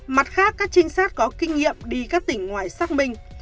mặt khác các trinh sát có kinh nghiệm đi các tỉnh ngoài xác minh